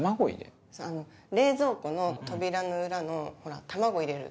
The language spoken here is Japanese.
冷蔵庫の扉の裏のほら卵入れる。